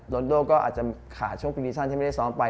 ลอนโดมก็อาจจะขาดช่วงพิกษันที่ไม่ได้ซ้อมไป